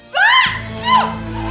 mak mak mak